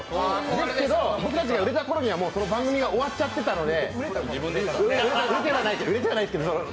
でも、僕たちが売れたころにはもうその番組が終わっちゃったので。